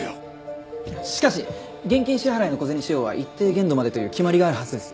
しかし現金支払いの小銭使用は一定限度までという決まりがあるはずです。